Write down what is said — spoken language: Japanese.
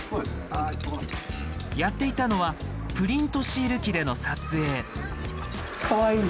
やっていたのはプリントシール機での撮影。